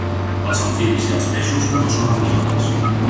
Els amfibis i els peixos no són amniotes.